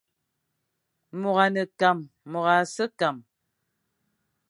Môr a ne kam, môr a sem kam,